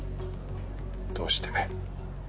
「どうして」？